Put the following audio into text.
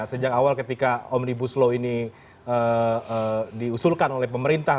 sejak awal ketika omnibus law ini diusulkan oleh pemerintah